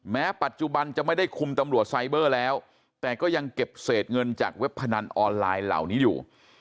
ปัจจุบันจะไม่ได้คุมตำรวจไซเบอร์แล้วแต่ก็ยังเก็บเศษเงินจากเว็บพนันออนไลน์เหล่านี้อยู่